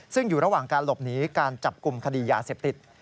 ซึ่งอยู่ระหว่างการหลบหนีการจับกลุ่มคดียาเสพติด